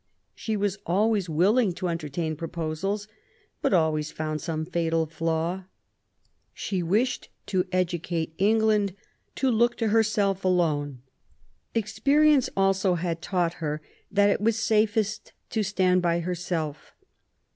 She was always willing to entertain proposals, but always found some fatal flaw. She wished to educate England to look to herself alone. Experience also had taught her that it was safest to stand by herself.